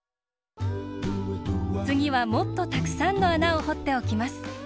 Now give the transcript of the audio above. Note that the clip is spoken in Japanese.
つぎはもっとたくさんのあなをほっておきます！